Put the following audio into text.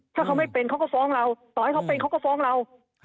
ถ้าเขาไม่เป็นเขาก็ฟ้องเราต่อให้เขาเป็นเขาก็ฟ้องเรา